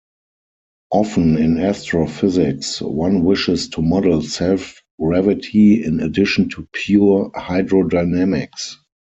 Often in astrophysics, one wishes to model self-gravity in addition to pure hydrodynamics.